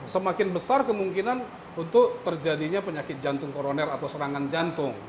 semakin besar kemungkinan untuk terjadinya penyakit jantung koroner atau serangan jantung